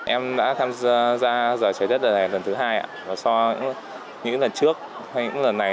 em đã tham gia ra giờ trái đất lần này lần thứ hai và so với những lần trước hay những lần này